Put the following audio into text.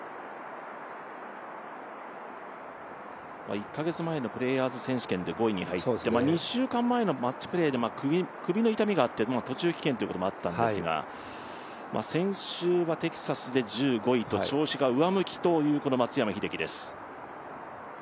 １か月前のプレーヤーズ選手権で５位に入って２週間前のマッチプレーで首の痛みがあって途中棄権ということもあったんですが、先週はテキサスで１５位と調子が上向きというこの松山英樹です。